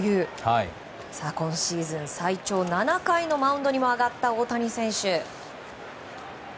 今シーズン最長７回のマウンドに上がった大谷選手。